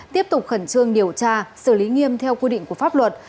tiếp tục khẩn trương điều tra xử lý nghiêm theo quy định của pháp luật